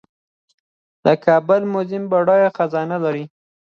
د کابل میوزیم بډایه خزانه لري